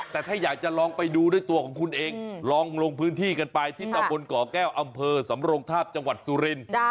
แต่ถ้าอยากจะลองไปดูด้วยตัวของคุณเองลองลงพื้นที่กันไปที่ตำบลก่อแก้วอำเภอสำรงทาบจังหวัดสุรินทร์